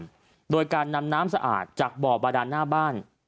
ด้วยโดยการนำน้ำสะอาดจากบ่อบาดานหน้าบ้าน